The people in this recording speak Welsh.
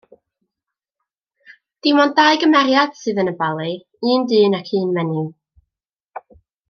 Dim ond dau gymeriad sydd yn y bale, un dyn ac un fenyw.